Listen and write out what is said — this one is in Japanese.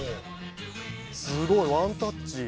すごい、ワンタッチ。